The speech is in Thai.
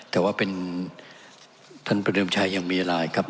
แต่ว่าเป็นท่านประดูกชายยังมี